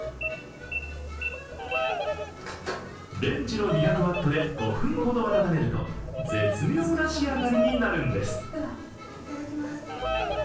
レンジの２００ワットで５分ほど温めると、絶妙な仕上がりになるんです。